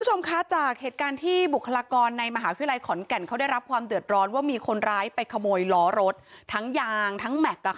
คุณผู้ชมคะจากเหตุการณ์ที่บุคลากรในมหาวิทยาลัยขอนแก่นเขาได้รับความเดือดร้อนว่ามีคนร้ายไปขโมยล้อรถทั้งยางทั้งแม็กซ์